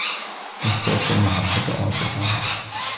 احساس محبت عاشقانه